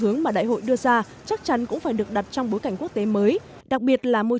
hướng mà đại hội đưa ra chắc chắn cũng phải được đặt trong bối cảnh quốc tế mới đặc biệt là môi